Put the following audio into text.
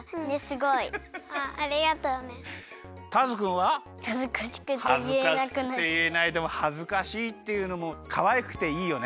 はずかしくていえないでもはずかしいっていうのもかわいくていいよね！